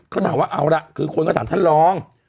เขาถามว่าเอาล่ะคือคนก็ถามท่านรอง